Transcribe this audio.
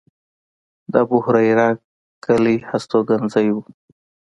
د ابوهریره کلی هستوګنځی و.